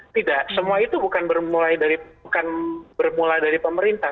tidak semua itu bukan bermula dari pemerintah